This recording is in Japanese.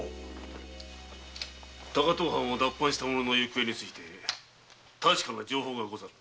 高遠藩を脱藩した者の行方について確かな情報がござる。